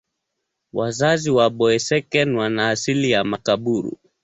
Wazazi wa Boeseken wana asili ya Makaburu.